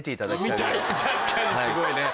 見たい確かにすごいね。